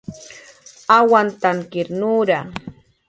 awantankir nura